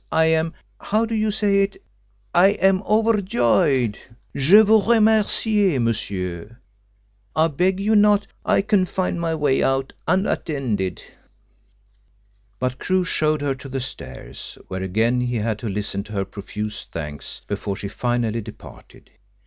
I am how do you say it I am overjoyed. Je vous remercie, monsieur, I beg you not, I can find my way out unattended." But Crewe showed her to the stairs, where again he had to listen to her profuse thanks before she finally departed.